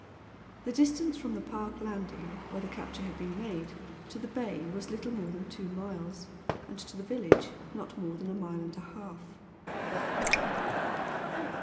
The distance from the park landing, where the capture had been made, to the bay was little more than two miles, and to the village not more than a mile and a half.